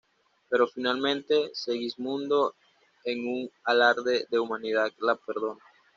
Pero finalmente, Segismundo en un alarde de humanidad lo perdona.